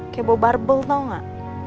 kayak bau barbel tau gak